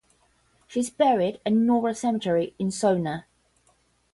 She is buried at Norra cemetery in Solna.